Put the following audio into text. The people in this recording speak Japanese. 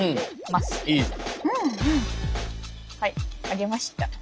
はいあげました。